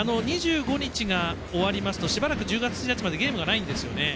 ２５日が終わりますとしばらく１０月１日までゲームがないんですよね。